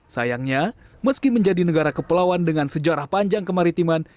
sayangnya meski menjadi negara kepulauan dengan sejarah panjang kemaritiman